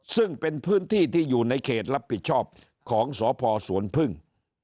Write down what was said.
ซึ่งเป็นพื้นที่ที่อยู่ในเขตรับผิดชอบของสพสวนพึ่ง